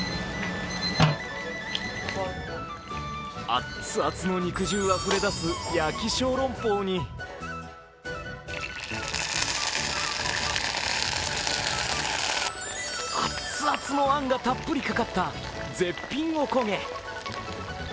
あっつあつの肉汁あふれだす焼きショーロンポーに熱々のあんがたっぷりかかった絶品おこげ。